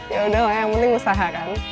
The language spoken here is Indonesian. yaudah lah yang penting usaha kan